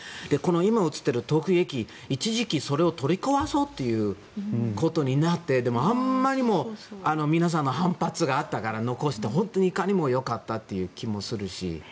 今映っている東京駅一時期それを取り壊そうということになってでも、あまりに皆さんの反発があったから残していかにもよかったという気もするし。